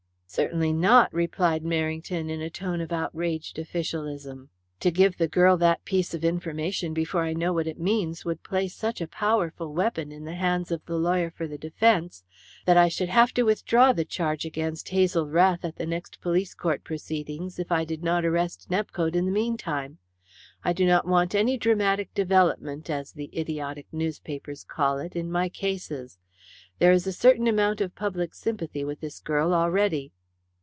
"Certainly not," replied Merrington, in a tone of outraged officialism. "To give the girl that piece of information before I know what it means would place such a powerful weapon in the hands of the lawyer for the defence that I should have to withdraw the charge against Hazel Rath at the next police court proceedings if I did not arrest Nepcote in the meantime. I do not want any dramatic developments as the idiotic newspapers call it in my cases. There is a certain amount of public sympathy with this girl already."